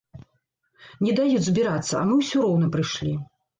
Не даюць збірацца, а мы ўсё роўна прыйшлі.